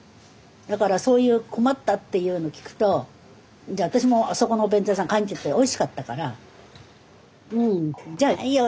だからそういう困ったっていうの聞くと私もあそこのお弁当屋さん買いにいってておいしかったからうんじゃあいいよ